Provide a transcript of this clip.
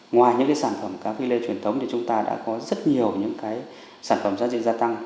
ngoài những sản phẩm cá phi lê truyền thống thì chúng ta đã có rất nhiều những sản phẩm giá trị gia tăng